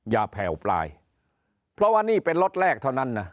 แผ่วปลายเพราะว่านี่เป็นล็อตแรกเท่านั้นนะ